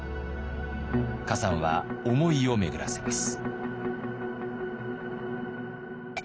崋山は思いを巡らせます。